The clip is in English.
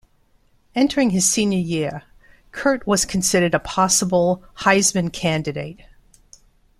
Entering his senior year, Kurt was considered a possible Heisman candidate.